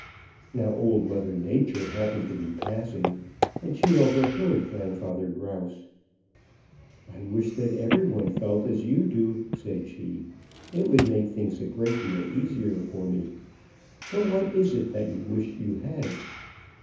"Now Old Mother Nature happened to be passing, and she overheard Grandfather Grouse. 'I wish that every one felt as you do.' said she. 'It would make things a great deal easier for me. But what is it that you wish you had?'"